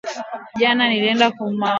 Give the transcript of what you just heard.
Jana nilienda kumazowezi ya wa vijana